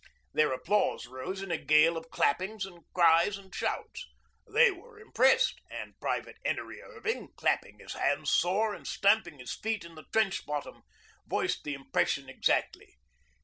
Their applause rose in a gale of clappings and cries and shouts. They were impressed, and Private 'Enery Irving, clapping his hands sore and stamping his feet in the trench bottom, voiced the impression exactly.